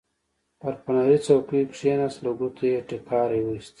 پر فنري څوکۍ کېناست، له ګوتو یې ټکاری وایست.